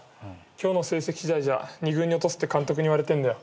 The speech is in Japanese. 今日の成績しだいじゃ２軍に落とすって監督に言われてんだよ。